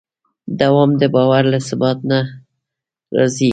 دوام د باور له ثبات نه راځي.